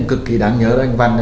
cực kỳ đáng nhớ cho anh văn